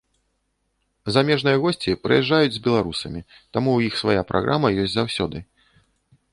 Замежныя госці прыязджаюць з беларусамі, таму ў іх свая праграма ёсць заўсёды.